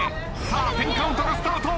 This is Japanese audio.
さあ１０カウントがスタート。